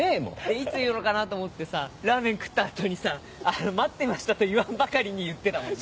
いつ言うのかなと思ってさラーメン食った後にさ待ってましたと言わんばかりに言ってたもんね。